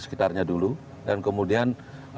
sekitarnya dulu dan kemudian